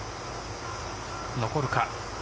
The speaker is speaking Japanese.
残るか。